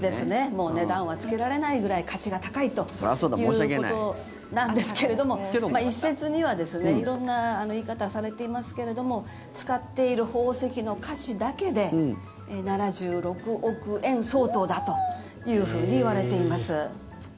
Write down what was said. もう値段はつけられないぐらい価値が高いということなんですけれども一説には色んな言い方はされてますけども使っている宝石の価値だけで７６億円相当だというふうにいわれています。